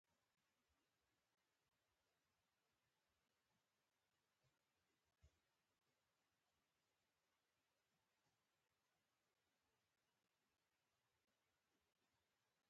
د بلې ورځې په درسي ساعت کې دې خپلو ټولګیوالو ته خبرې وکړي.